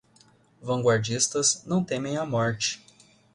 Vanguardistas não temem a morte